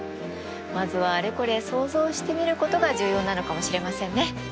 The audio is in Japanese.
まずはあれこれ想像してみることが重要なのかもしれませんね。